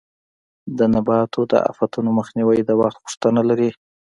د نباتو د آفتونو مخنیوی د وخت غوښتنه لري.